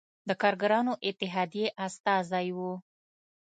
د کارګرانو اتحادیې استازی و.